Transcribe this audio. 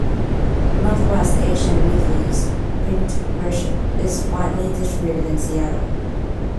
Northwest Asian Weekly's print version is widely distributed in Seattle.